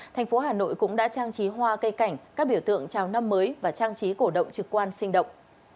thành phố hà nội cũng đã trang trí hoa cây cảnh các biểu tượng chào năm mới và trang trí cổ động trực quan sinh động